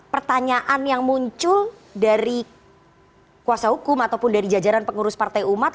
pertanyaan yang muncul dari kuasa hukum ataupun dari jajaran pengurus partai umat